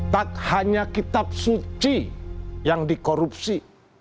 tak hanya kitab suci yang dikorupsi